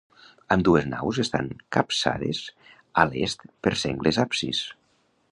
Ambdues naus estan capçades a l'est per sengles absis.